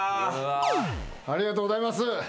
ありがとうございます。